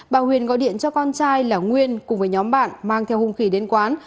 bà huyền gọi điện cho con trai lão nguyên cùng với nhóm bạn mang theo hung khỉ đến quán